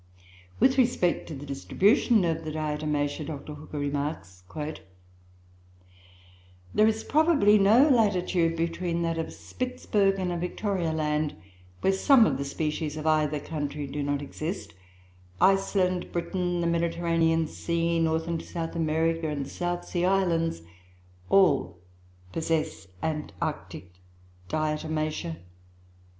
With respect to the distribution of the Diatomaceoe, Dr. Hooker remarks: "There is probably no latitude between that of Spitzbergen and Victoria Land, where some of the species of either country do not exist: Iceland, Britain, the Mediterranean Sea, North and South America, and the South Sea Islands, all possess Antarctic Diatomaceoe.